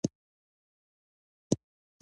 سوله او ثبات د دوی په ګټه دی.